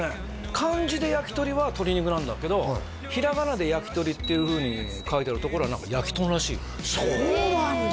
漢字で「焼き鳥」は鶏肉なんだけど平仮名で「やきとり」っていうふうに書いてあるところは何かやきとんらしいよそうなんだ！